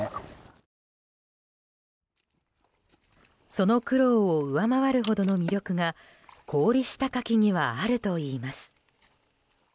その苦労を上回るほどの魅力が氷下牡蠣にはあるといいます。